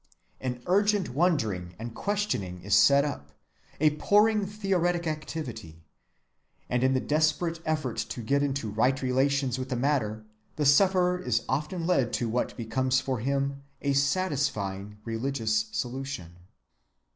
An urgent wondering and questioning is set up, a poring theoretic activity, and in the desperate effort to get into right relations with the matter, the sufferer is often led to what becomes for him a satisfying religious solution.